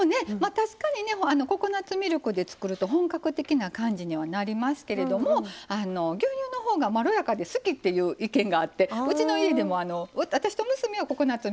確かにねココナツミルクで作ると本格的な感じにはなりますけれども牛乳のほうがまろやかで好きっていう意見があってうちの家でも私と娘はココナツミルク派。